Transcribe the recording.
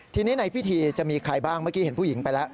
ทีนี้ในพิธีจะมีใครบ้างเมื่อกี้เห็นผู้หญิงไปแล้ว